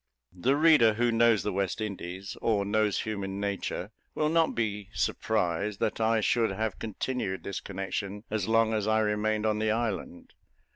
The reader who knows the West Indies, or knows human nature, will not be surprised that I should have continued this connection as long as I remained on the island.